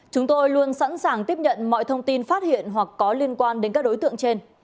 chúng tôi luôn sẵn sàng tiếp nhận mọi thông tin phát hiện hoặc có liên quan đến các đối tượng trên